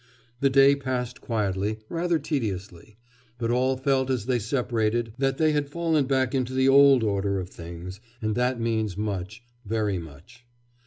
The day passed quietly, rather tediously, but all felt as they separated that they had fallen back into the old order of things; and that means much, very much.